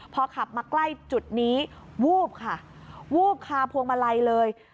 พอขับมาใกล้จุดนี้วูบค่ะวูบคาพวงมาลัยเลย